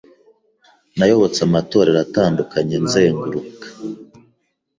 nayobotse amatorero atandukanye nzenguruka